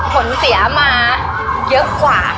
ผลเสียมาเยอะกว่า